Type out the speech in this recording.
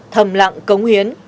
thầm lặng cống hiến